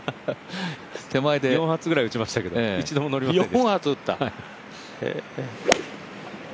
４発ぐらい打ちましたけど、一度も乗りませんでした。